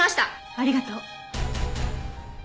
ありがとう。